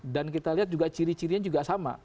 dan kita lihat juga ciri cirinya juga sama